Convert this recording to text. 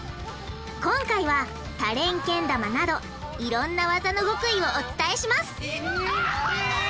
今回は多連けん玉などいろんな技の極意をお伝えします！